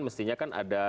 mestinya kan ada